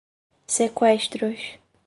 Seqüestros